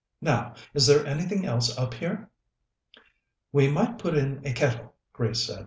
Now, is there anything else up here?" "We might put in a kettle," Grace said.